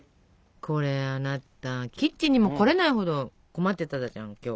これあなたキッチンにも来れないほど困ってたじゃん今日。